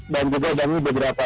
dan juga bani beberapa